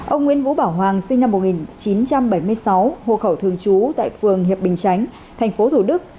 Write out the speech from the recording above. ông nguyễn vũ bảo hoàng sinh năm một nghìn chín trăm bảy mươi sáu hồ khẩu thường trú tại phường hiệp bình chánh thành phố thủ đức